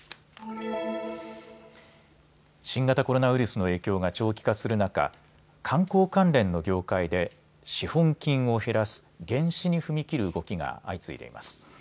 新型コロナウイルスの影響が長期化する中、観光関連の業界で資本金を減らす減資に踏み切る動きが相次いでいます。